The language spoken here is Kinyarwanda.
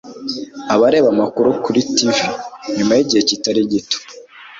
aba areba amakuru kuri TV 📺 nyuma yigihe kitari gito